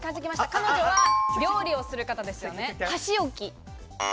彼女は料理をする人ですよね。